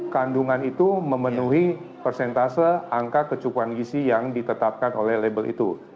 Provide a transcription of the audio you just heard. kandungan itu memenuhi persentase angka kecukupan gisi yang ditetapkan oleh label itu